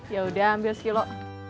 ya udah ambil sekilo